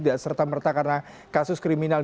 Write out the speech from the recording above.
tidak serta merta karena kasus kriminal